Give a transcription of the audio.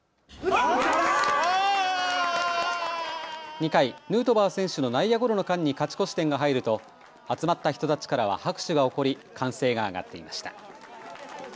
２回、ヌートバー選手の内野ゴロの間に勝ち越し点が入ると集まった人たちからは拍手が起こり歓声が上がっていました。